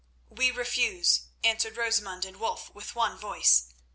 "We refuse," answered Rosamund and Wulf with one voice.